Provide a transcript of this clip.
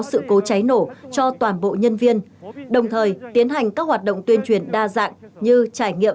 sự cố cháy nổ cho toàn bộ nhân viên đồng thời tiến hành các hoạt động tuyên truyền đa dạng như trải nghiệm